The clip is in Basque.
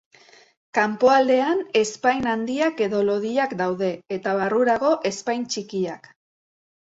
Kanpoaldean, ezpain handiak edo lodiak daude eta barrurago ezpain txikiak.